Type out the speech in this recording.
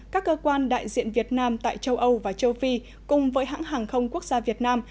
các cơ quan đại diện việt nam tại châu âu và châu phi cùng với hãng hàng không quốc gia việt nam